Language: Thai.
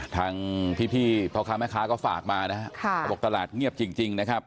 ทางพี่พ่อค้าแม่ค้าก็ฝากมานะครับเขาบอกตลาดเงียบจริงนะครับ